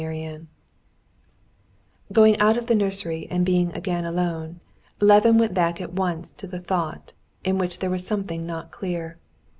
Chapter 19 Going out of the nursery and being again alone, Levin went back at once to the thought, in which there was something not clear.